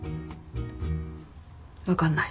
わかんない。